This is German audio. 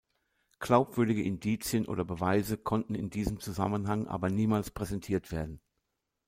Glaubwürdige Indizien oder Beweise konnten in diesem Zusammenhang aber niemals präsentiert werden.